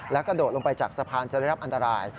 กระโดดลงไปจากสะพานจะได้รับอันตราย